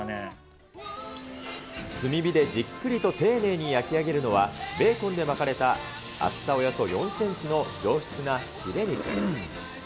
炭火でじっくりと丁寧に焼き上げるのは、ベーコンで巻かれた厚さおよそ４センチの良質なフィレ肉。